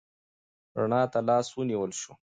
رڼا ته لاس ونیول شو.